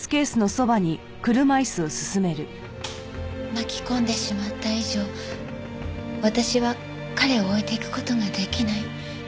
巻き込んでしまった以上私は彼を置いていく事が出来ない。